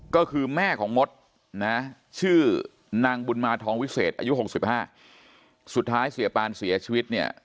ก็คือแม่ของมดนะชื่อนางบุญมาทองวิเศษอายุ๖๕สุดท้ายเสียปานเสียชีวิตเนี่ย